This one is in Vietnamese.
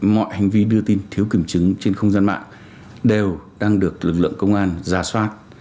mọi hành vi đưa tin thiếu kiểm chứng trên không gian mạng đều đang được lực lượng công an giả soát